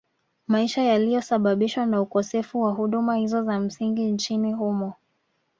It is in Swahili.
Maisha yaliyosababishwa na ukosefu wa huduma hizo za msingi nchini humo